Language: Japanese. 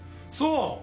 そう！